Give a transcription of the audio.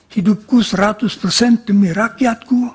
hidupku seratus demi rakyatku